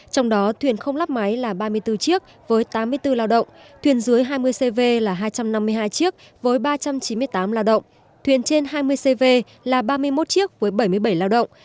trong đó thuyền không lắp máy là ba mươi bốn chiếc với tám mươi bốn lao động thuyền dưới hai mươi cv là hai trăm năm mươi hai chiếc với ba trăm chín mươi tám lao động thuyền trên hai mươi cv là ba mươi một chiếc với bảy mươi bảy lao động